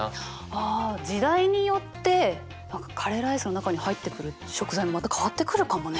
あ時代によってカレーライスの中に入ってくる食材もまた変わってくるかもね。